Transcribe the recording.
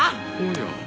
おや。